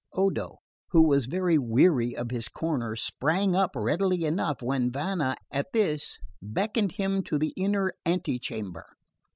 Odo, who was very weary of his corner, sprang up readily enough when Vanna, at this, beckoned him to the inner ante chamber.